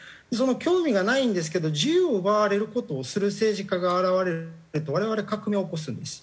興味がないんですけど自由を奪われる事をする政治家が現れると我々革命を起こすんです。